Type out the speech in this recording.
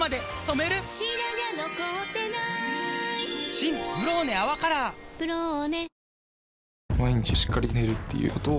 新「ブローネ泡カラー」「ブローネ」